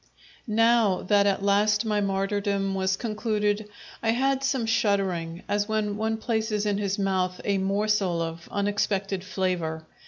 Now that at last my martyrdom was concluded, I had some shuddering, as when one places in his mouth a morsel of unexpected flavour.